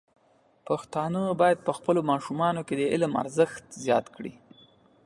پښتانه بايد په خپلو ماشومانو کې د علم ارزښت زیات کړي.